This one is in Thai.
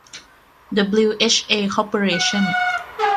ดับบลิวเอชเอ คอร์ปอเรชั่น